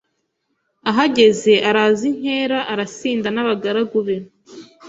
Ahageze araza inkera, arasinda n’abagaragu be,